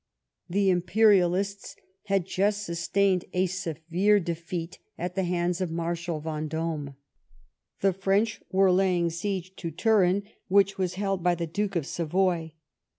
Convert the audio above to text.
The imperialists had just sustained a severe defeat at the hands of Marshal Vendome. The French were laying siege to Turin, which was held by the Duke of Savoy.